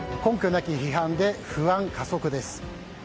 なき批判で不安加速です。